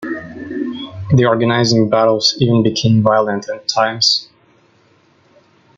The organizing battles even became violent at times.